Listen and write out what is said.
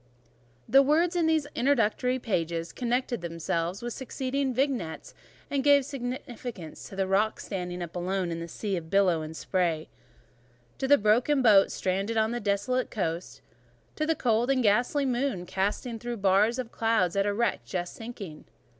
The words in these introductory pages connected themselves with the succeeding vignettes, and gave significance to the rock standing up alone in a sea of billow and spray; to the broken boat stranded on a desolate coast; to the cold and ghastly moon glancing through bars of cloud at a wreck just sinking.